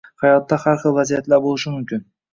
Hayotda har xil vaziyatlar boʻlishi mumkin.